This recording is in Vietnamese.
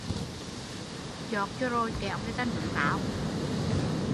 Dọt cho rồi kẻo người ta núm áo